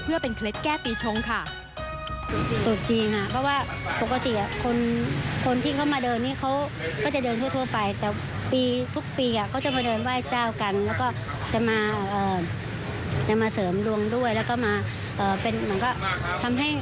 เพื่อเป็นเคล็ดแก้ปีชงค่ะ